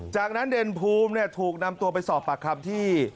จากนั้นเด่นภูมิถูกนำตัวไปสอบปากคำที่